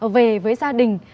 về với gia đình